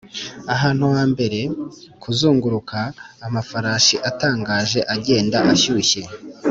ahantu ha mbere, kuzunguruka, amafarashi atangaje agenda ashyushye